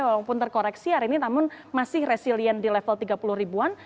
walaupun terkoreksi hari ini namun masih resilient di level tiga puluh ribuan